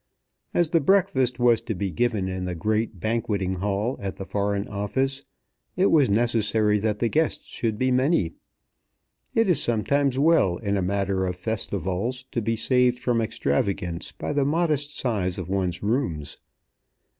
As the breakfast was to be given in the great Banqueting Hall at the Foreign Office it was necessary that the guests should be many. It is sometimes well in a matter of festivals to be saved from extravagance by the modest size of one's rooms.